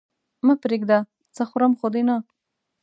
مه پرېږده! څه خورم خو دې نه؟